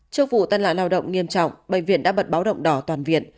trước vụ tàn lạc lao động nghiêm trọng bệnh viện đã bật báo động đỏ toàn viện